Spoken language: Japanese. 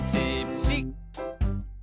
「し」